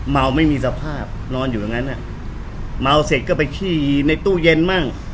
เมาไม่มีสภาพนอนอยู่ตรงนั้นอ่ะเมาเสร็จก็ไปขี้ในตู้เย็นบ้าง